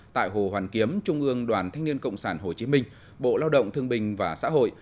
tại hồ hoàn kiếm trung ương đoàn thanh niên cộng sản hồ chí minh bộ lao động thương bình và xã hội